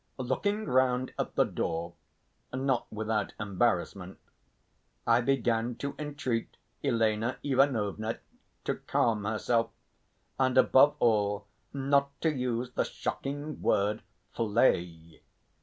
Looking round at the door, not without embarrassment, I began to entreat Elena Ivanovna to calm herself, and above all not to use the shocking word "flay."